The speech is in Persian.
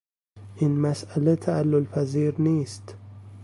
این مسئله تعللپذیر نیست.